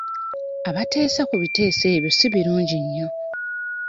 Abateesa ku biteeso ebyo si birungi nnyo.